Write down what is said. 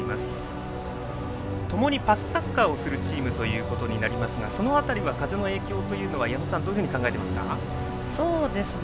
ともにパスサッカーをするチームとなりますがその辺りは風の影響は、矢野さんどのように考えていますか？